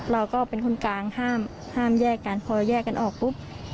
เราก็เป็นคนกลางห้ามแยกกันพอแยกกันออกปุ๊บ